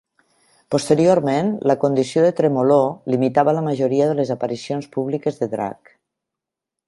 Posteriorment, la condició de tremolor limitava la majoria de les aparicions públiques de drac.